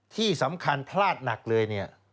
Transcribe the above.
ที่สำคัญพลาดหนักเลยเนี่ย